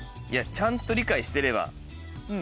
ちゃんと理解してればこれしか。